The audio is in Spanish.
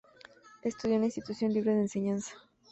Estudió en la Institución Libre de Enseñanza.